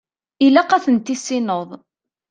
Ilaq ad ten-tissineḍ.